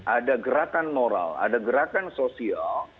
ada gerakan moral ada gerakan sosial